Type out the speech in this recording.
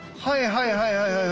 はいはいはいはい。